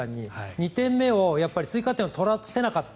２点目を追加点を取らせなかった。